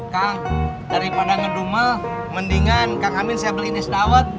kang daripada ngedumel mendingan kang amin saya beli nis dawet